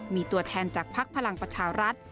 มีตัวแทนจากพักพลังประชารักษณ์